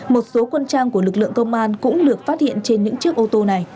một số quân trang của lực lượng công an cũng được phát hiện trên những chiếc ô tô này